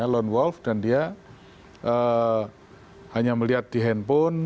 lone wolf dan dia hanya melihat di handphone